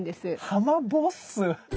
ハマボッス？